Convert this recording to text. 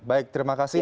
baik terima kasih